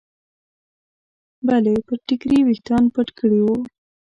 بلې پر ټیکري ویښتان پټ کړي وو.